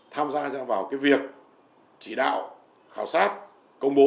tham gia vào việc chỉ đạo khảo sát công bố